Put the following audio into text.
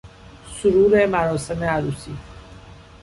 سرور مراسم عروسی